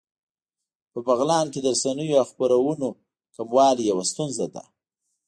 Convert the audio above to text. په بغلان کې د رسنیو او خپرونو کموالی يوه ستونزه ده